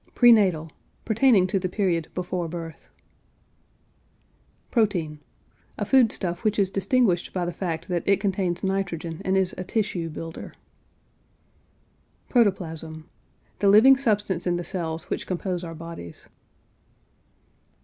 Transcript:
PRENATAL. Pertaining to the period before birth. PROTEIN. A food stuff which is distinguished by the fact that it contains nitrogen and is a tissue builder. PROTOPLASM. The living substance in the cells which compose our bodies.